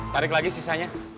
tarik lagi sisanya